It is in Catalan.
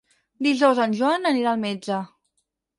Dijous en Joan anirà al metge.